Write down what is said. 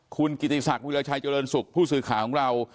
คุณกิติศักดิราชัยเจริญสุขผู้สื่อข่าวของเรา